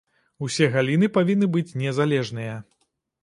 Усе галіны павінны быць незалежныя.